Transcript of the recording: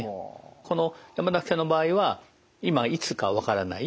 この山崎さんの場合は今いつかわからない。